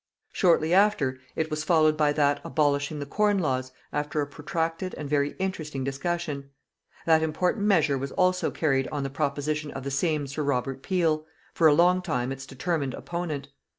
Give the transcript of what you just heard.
Shortly after, it was followed by that abolishing the Corn Laws after a protracted and very interesting discussion. That important measure was also carried on the proposition of the same Sir Robert Peel, for a long time its determined opponent.